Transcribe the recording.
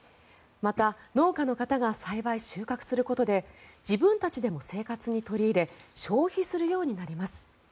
また、農家の方が栽培・収穫することで自分たちでも生活に取り入れ消費するようになります。